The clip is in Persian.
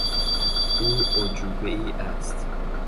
او اعجوبهای است.